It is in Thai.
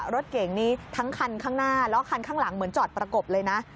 รถเก่งนี้ทั้งคันข้างหน้าแล้วคันข้างหลังเหมือนจอดประกบเลยนะ